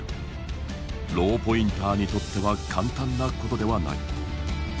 ローポインターにとっては簡単なことではない。